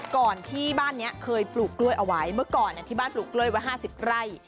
ก่อนที่บ้านนี้เคยปลูกกล้วยเอาไว้เมื่อก่อนที่บ้านปลูกกล้วยไว้๕๐ไร่